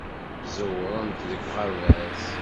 Ẓewrent deg uɣerbaz.